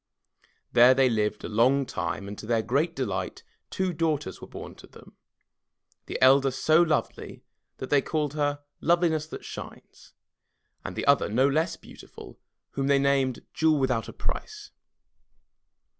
There they lived a long time and to their great delight two daughters were bom to them, the elder so lovely that they called her Loveliness That Shines, and the other no less beautiful whom they named Jewel Without A Price.